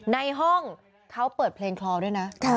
ในห้องเขาเปิดเพลงคลอด้วยนะ